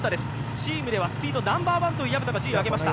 チームではスピードナンバーワンという藪田がスピードを上げました。